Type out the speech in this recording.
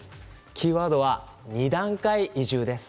キーワードは二段階移住です。